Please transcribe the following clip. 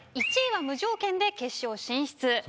１位は無条件で決勝進出。